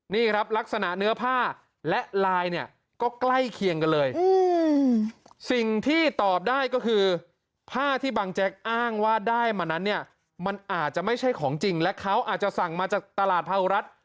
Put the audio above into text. นี่ครับลักษณะเนื้อผ้าและลายก็ใกล้เคียงกันเลย